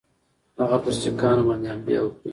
هغه پر سیکهانو باندي حمله وکړي.